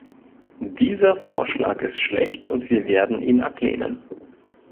Dieser Vorschlag ist schlecht, und wir werden ihn ablehnen.